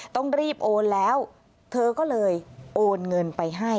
ต้องรีบโอนแล้วเธอก็เลยโอนเงินไปให้